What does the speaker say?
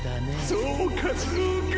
そうかそうか！